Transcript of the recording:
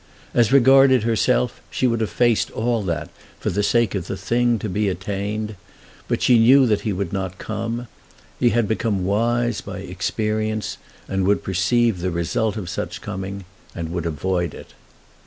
As regarded herself, she would have faced all that for the sake of the thing to be attained. But she knew that he would not come. He had become wise by experience, and would perceive the result of such coming, and would avoid it.